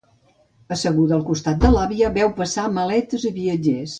Asseguda al costat de l'àvia, veu passar maletes i viatgers.